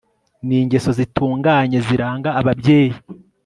ningeso zitunganye ziranga ababyeyi